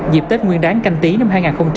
dịp tết nguyên đáng canh tí năm hai nghìn hai mươi